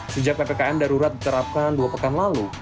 sejak ppkm darurat diterapkan dua pekan lalu